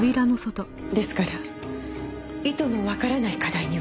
ですから意図のわからない課題には。